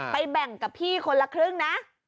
แบ่งกับพี่คนละครึ่งนะ